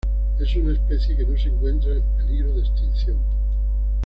Es una especie que no se encuentra en peligro de extinción.